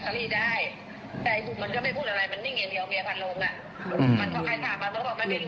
มันนิ่งอย่างเดียวเมียพันลงอ่ะอืมมันก็ใครถามมันบอกมันไม่รู้